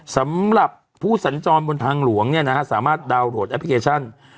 สำหรับผู้สั่นจรทางหลวงสามารถดาวรวดแอพประกาศ